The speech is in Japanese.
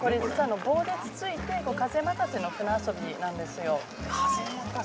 棒でつついて、風任せの舟遊びなんですよ。